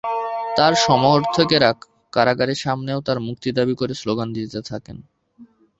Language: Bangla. তাঁর সমর্থকেরা কারাগারের সামনেও তাঁর মুক্তি দাবি করে স্লোগান দিতে থাকেন।